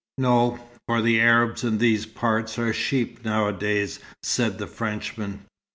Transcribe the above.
"No, for the Arabs in these parts are sheep nowadays," said the Frenchman.